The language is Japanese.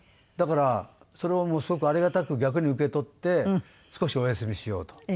だからそれをすごくありがたく逆に受け取って少しお休みしようと。